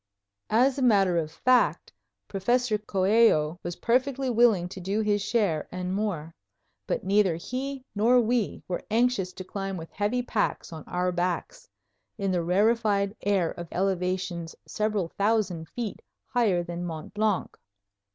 As a matter of fact, Professor Coello was perfectly willing to do his share and more; but neither he nor we were anxious to climb with heavy packs on our backs, in the rarefied air of elevations several thousand feet higher than Mont Blanc.